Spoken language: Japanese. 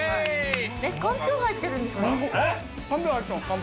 えっかんぴょう入ってるんですか？